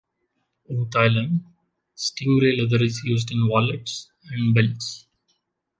In Thailand, stingray leather is used in wallets and belts.